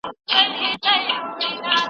تاسي په خپلو لاسونو کي پاکي لرئ.